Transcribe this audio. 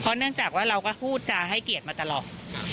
เนื่องจากว่าเราก็พูดจาให้เกียรติมาตลอด